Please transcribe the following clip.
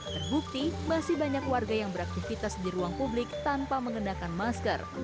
terbukti masih banyak warga yang beraktivitas di ruang publik tanpa mengenakan masker